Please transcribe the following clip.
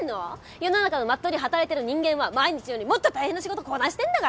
世の中のまっとうに働いてる人間は毎日のようにもっと大変な仕事こなしてるんだからね！